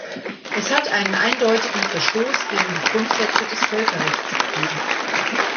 Es hat einen eindeutigen Verstoß gegen die Grundsätze des Völkerrechts gegeben.